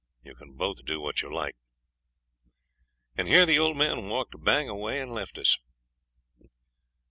You can both do what you like.' And here the old man walked bang away and left us.